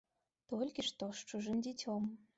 Толькі што з чужым дзіцем.